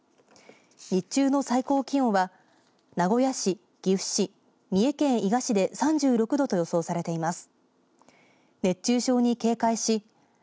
日中の最高気温は名古屋市、岐阜市三重県伊賀市で３６度と予想されています。